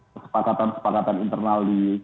kesepakatan sepakatan internal di